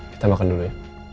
kita makan dulu ya